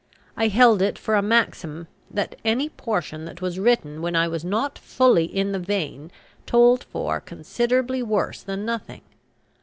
I held it for a maxim that any portion that was written when I was not fully in the vein told for considerably worse than nothing.